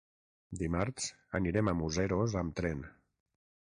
Dimarts anirem a Museros amb tren.